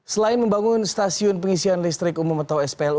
selain membangun stasiun pengisian listrik umum atau splu